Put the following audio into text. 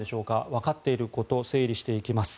わかっていること整理していきます。